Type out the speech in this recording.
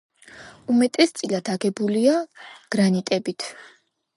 უმეტესწილად აგებულია გრანიტებით.